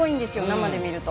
生で見ると。